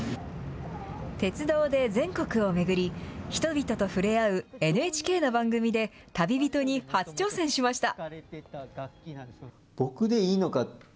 鉄道で全国を巡り、人々と触れ合うＮＨＫの番組で、旅人に初挑戦しました。